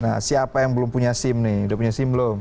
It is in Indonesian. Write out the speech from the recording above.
nah siapa yang belum punya sim nih udah punya sim belum